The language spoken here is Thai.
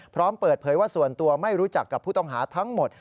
พร้อมเปิดเผยว่าส่วนตัวไม่รู้จักกับผู้ต้องหาทั้งหมด